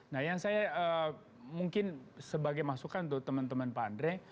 nah yang saya mungkin sebagai masukan untuk teman teman pak andre